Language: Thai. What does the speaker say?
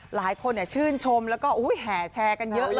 หลายคนชื่นชมแล้วก็แห่แชร์กันเยอะเลย